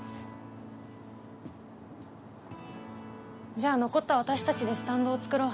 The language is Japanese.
じゃあ残った私たちでスタンドを作ろう。